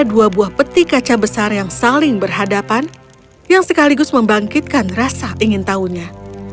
dua buah peti kaca besar yang saling berhadapan yang sekaligus membangkitkan rasa ingin tahunya